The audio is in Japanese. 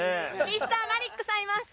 Ｍｒ．マリックさんいます！